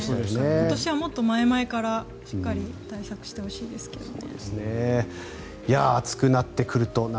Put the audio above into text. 今年はもっと前々からしっかり対策してほしいですけどね。